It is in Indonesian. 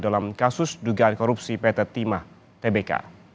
dalam kasus dugaan korupsi pt timah tbk